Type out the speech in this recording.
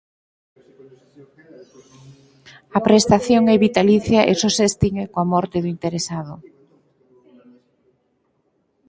A prestación é vitalicia e só se extingue coa morte do interesado.